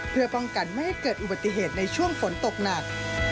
เพื่อป้องกันไม่ให้เกิดอุบัติเหตุในช่วงฝนตกหนัก